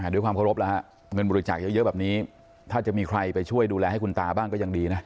ด้วยความเคารพแล้วฮะเงินบริจาคเยอะแบบนี้ถ้าจะมีใครไปช่วยดูแลให้คุณตาบ้างก็ยังดีนะ